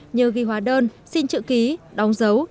như ghi hóa đơn xin chữ ký đóng dấu